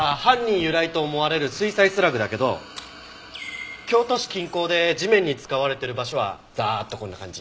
由来と思われる水砕スラグだけど京都市近郊で地面に使われてる場所はざっとこんな感じ。